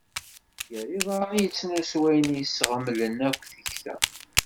Gar yiḍarren i yettnus wayen i yesɣemlen akk tikta.